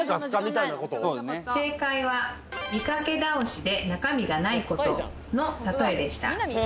正解は、見かけ倒しで中身がないことのたとえでした。